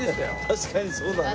確かにそうだね。